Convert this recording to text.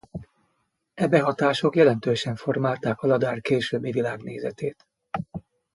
E behatások jelentősen formálták Aladár későbbi világnézetét.